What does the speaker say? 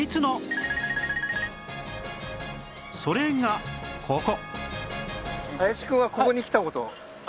それがここ